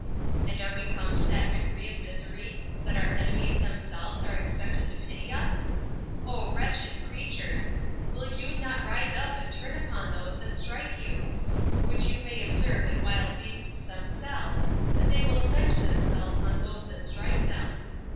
and are we come to that degree of misery, that our enemies themselves are expected to pity us? O wretched creatures! will not you rise up and turn upon those that strike you? which you may observe in wild beasts themselves, that they will avenge themselves on those that strike them.